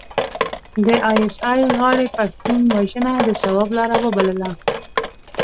د ای اس ای غاړې پښتون وژنه د ثواب لاره وبلله.